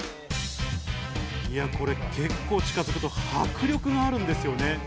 いや、これ結構近づくと迫力があるんですよね。